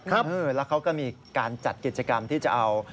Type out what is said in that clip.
แล้วเขาก็มีการจัดกิจกรรมที่จะเอา